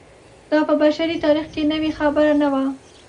دا په بشري تاریخ کې نوې خبره نه وه.